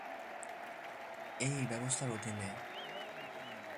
এই ব্যবস্থার অধীনে।